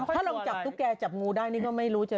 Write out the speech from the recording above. ถ้าลองจับตุ๊กแกจับงูได้นี่ก็ไม่รู้เจอ